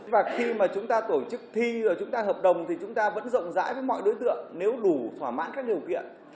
và khi mà chúng ta tổ chức thi rồi chúng ta hợp đồng thì chúng ta vẫn rộng rãi với mọi đối tượng nếu đủ thỏa mãn các điều kiện